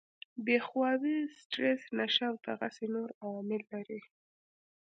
بې خوابي ، سټريس ، نشه او دغسې نور عوامل لري